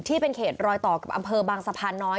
ที่เป็นเขตรอยต่อกับอำเภอบางสะพานน้อย